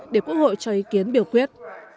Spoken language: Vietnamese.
để quốc hội cho ý kiến biểu quyết